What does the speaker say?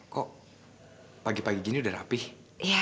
kok pagi pagi gini udah rapih